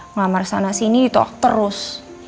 ngamar sana sini ditok terus